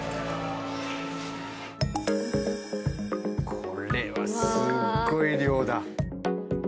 これはすごい量だ。